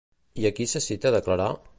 I a qui se cita a declarar?